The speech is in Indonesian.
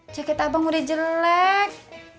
jaket abang udah jelek